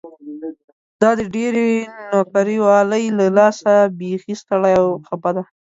دا د ډېرې نوکري والۍ له لاسه بيخي ستړې او خپه ده.